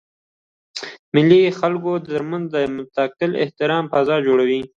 مېلې د خلکو ترمنځ د متقابل احترام فضا جوړوي.